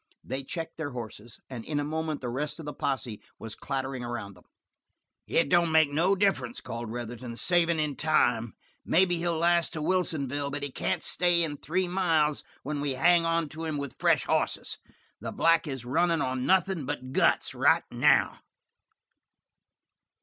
They checked their horses, and in a moment the rest of the posse was clattering around them. "It don't make no difference," called Retherton, "savin' in time. Maybe he'll last to Wilsonville, but he can't stay in three miles when we hang onto him with fresh hosses. The black is runnin' on nothin' but guts right now."